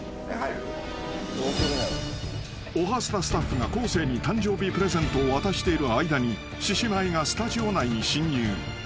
［『おはスタ』スタッフが昴生に誕生日プレゼントを渡している間に獅子舞がスタジオ内に侵入］